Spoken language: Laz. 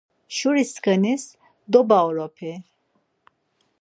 Şuri skanis dobaoropi.